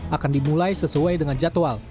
akan dimulai sesuai dengan jadwal